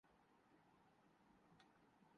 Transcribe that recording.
injection سے blood کو